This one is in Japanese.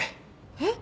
えっ！？